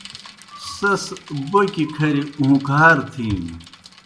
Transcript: سیْس بوکیْ کھریْ اُون٘کہار تِھینوْ۔